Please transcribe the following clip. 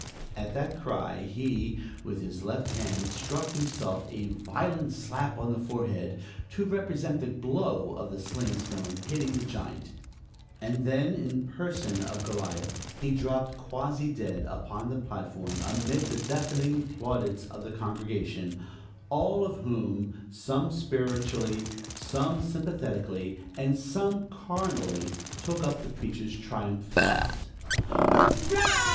At that cry he, with his left hand, struck himself a violent slap on the forehead, to represent the blow of the sling stone hitting the giant; and then in person of Goliath he dropped quasi dead upon the platform amid the deafening plaudits of the congregation; all of whom, some spiritually, some sympathetically, and some carnally, took up the preacher's triumph shout "Hurraw!